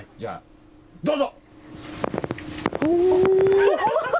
どうぞ！